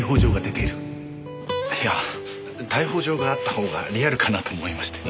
いや逮捕状があった方がリアルかなと思いまして。